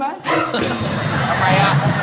แม่หน้าของพ่อหน้า